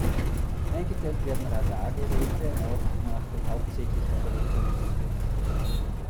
Eingeteilt werden Radargeräte auch nach dem hauptsächlichen Verwendungszweck.